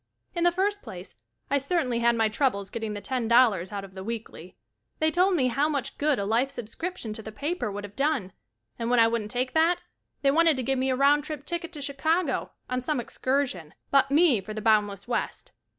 In the first place, I certainly had my trou bles getting the ten dollars out of "The Weekly." They told me how much good a life subscription to the paper would of done and when I wouldn't take that, they wanted to give me a round trip ticket to Chicago on some excursion, but me for the boundless West.